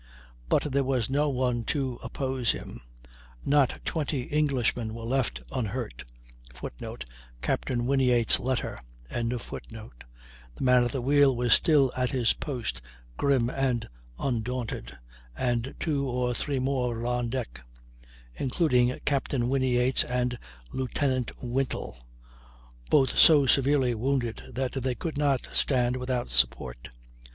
But there was no one to oppose him; not twenty Englishmen were left unhurt. [Footnote: Capt. Whinyates' letter.] The man at the wheel was still at his post, grim and undaunted, and two or three more were on deck, including Captain Whinyates and Lieutenant Wintle, both so severely wounded that they could not stand without support.